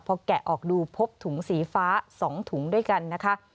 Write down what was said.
พอแกะออกดูพบถุงสีฟ้า๒ถุงด้วยกันนะคะ